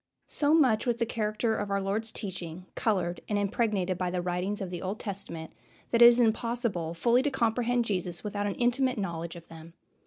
So much was the character of our Lord's teaching colored and impregnated by the writings of the Old Testament that it is impossible fully to comprehend Jesus without an intimate knowledge of them.